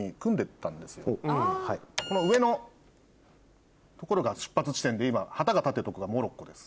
この上の所が出発地点で今旗が立ってるとこがモロッコです。